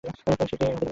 ফেং-শির কী হবে?